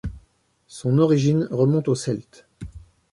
Son origine remonte aux Celtes.